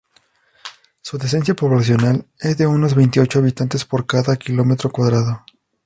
Su densidad poblacional es de unos veintiocho habitantes por cada kilómetro cuadrado.